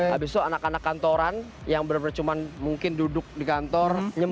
habis itu anak anak kantoran yang benar benar cuma mungkin duduk di kantor